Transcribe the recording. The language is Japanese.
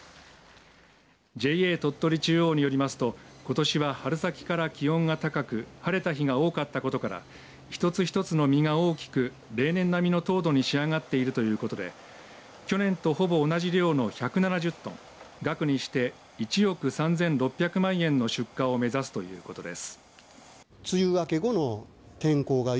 ＪＡ鳥取中央によりますとことしは春先から気温が高く晴れた日が多かったことから一つ一つの実が大きく例年並みの糖度に仕上がっているということで去年とほぼ同じ量の１７０トン額にして１億３６００万円の出荷を目指すということです。